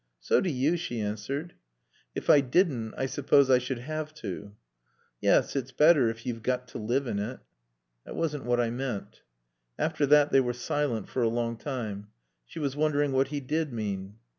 "So do you," she answered. "If I didn't I suppose I should have to." "Yes, it's better, if you've got to live in it." "That wasn't what I meant." After that they were silent for a long time. She was wondering what he did mean.